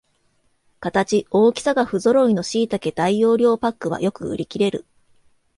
形、大きさがふぞろいのしいたけ大容量パックはよく売りきれる